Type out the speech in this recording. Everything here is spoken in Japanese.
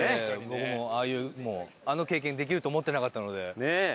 僕もああいうあの経験できると思ってなかったので。